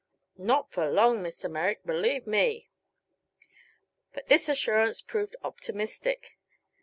"Not for long, Mr. Merrick, believe me." But this assurance proved optimistic.